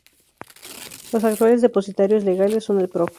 Los actuales depositarios legales son el Prof.